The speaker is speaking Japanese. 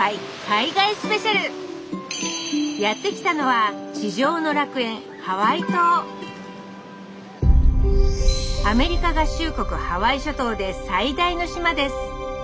やって来たのはアメリカ合衆国ハワイ諸島で最大の島です。